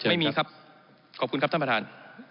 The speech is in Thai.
ไม่มีครับขอบคุณครับท่านประธาน